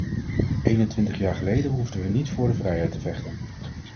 Eenentwintig jaar geleden hoefden we niet voor de vrijheid te vechten.